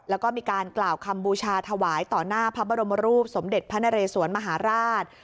แล้วก็มีการกล่าวคำบูชาถวายต่อหน้าพระบรมรูปสมเด็จพระนเรสวนมหาราช